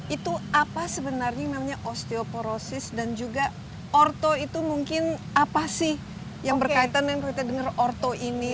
itu apa sebenarnya namanya osteoporosis dan juga orto itu mungkin apa sih yang berkaitan yang kita dengar orto ini